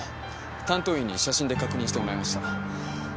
担当医に写真で確認してもらいました。